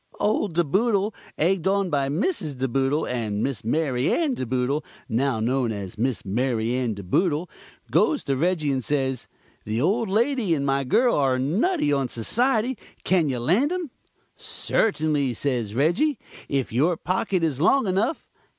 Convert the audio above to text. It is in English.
Old De Boodle, egged on by Mrs. De Boodle and Miss Mary Ann De Boodle, now known as Miss Marianne De Boodle, goes to Reggie and says, 'The old lady and my girl are nutty on Society. Can you land 'em?' 'Certainly,' says Reggie, 'if your pocket is long enough.'